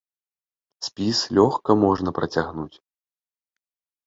Спіс лёгка можна працягнуць.